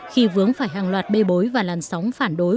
khi vướng phải hàng loạt bê bối và làn sóng phản đối